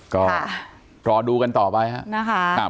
ก็รอดูกันต่อไปนะครับ